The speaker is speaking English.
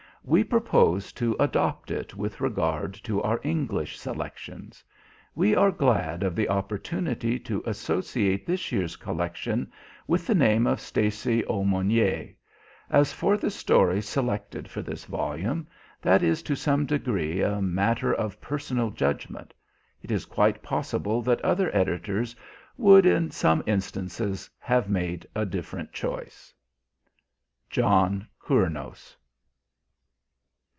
We propose to adopt it with regard to our English selections. We are glad of the opportunity to associate this year's collection with the name of Stacy Aumonier. As for the stories selected for this volume, that is to some degree a matter of personal judgement; it is quite possible that other editors would, in some instances, have made a different choice. JOHN COURNOS.